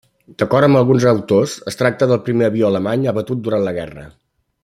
D'acord amb alguns autors es tracta del primer avió alemany abatut durant la guerra.